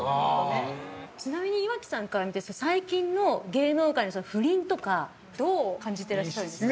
ちなみに、岩城さんから見て最近の芸能界の不倫とかどう感じていらっしゃるんですか。